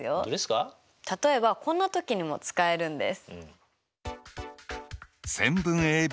例えばこんな時にも使えるんです！